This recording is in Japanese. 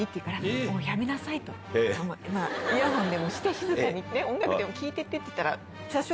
イヤホンでもして静かに音楽でも聴いててって言ったら。